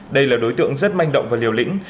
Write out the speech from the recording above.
đây là đối tượng rất manh động và liều lĩnh